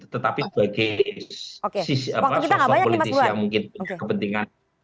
tetapi sebagai sisi sosial politis yang mungkin kepentingan